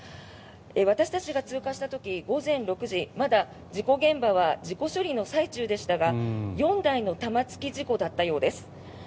私たちが通過した時、午前６時まだ事故現場は事故処理の最中でしたが４台の玉突き事故だったようです。